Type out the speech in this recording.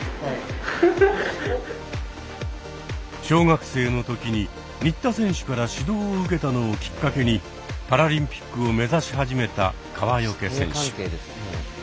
小学生の時に新田選手から指導を受けたのをきっかけにパラリンピックを目指し始めた川除選手。